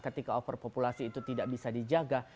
ketika overpopulasi itu tidak bisa dijaga